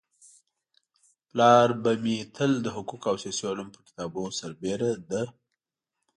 پلار به مي تل د حقوقو او سياسي علومو پر كتابو سربيره د